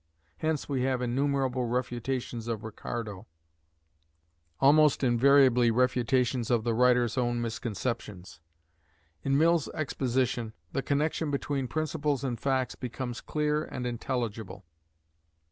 Hence we have innumerable "refutations of Ricardo," almost invariably refutations of the writers' own misconceptions. In Mill's exposition, the connection between principles and facts becomes clear and intelligible.